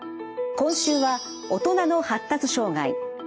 今週は「大人の発達障害」。